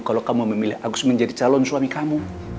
kalau kamu memilih agus menjadi calon suami kamu